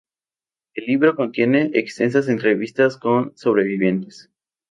El libro contiene extensas entrevistas con sobrevivientes.